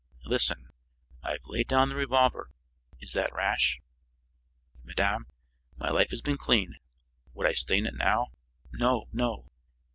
Listen: I have laid down the revolver. Is that rash?" "Madame, my life has been clean. Would I stain it now? No, no!